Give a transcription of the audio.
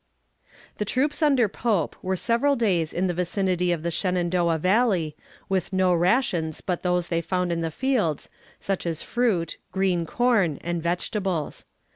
The troops under Pope were several days in the vicinity of the Shenandoah Valley, with no rations but those they found in the fields, such as fruit, green corn, and vegetables.